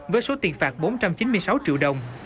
với số tiền phạt bốn trăm chín mươi sáu triệu đồng